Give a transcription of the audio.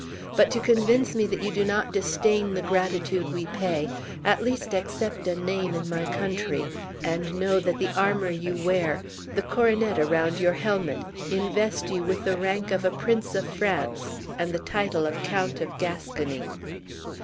But to convince me that you do not disdain the gratitude we pay, at least accept a name in my country; and know, that the armor you wear, the coronet around your helmet, invest you with the rank of a prince of France, and the title of Count of Gascony."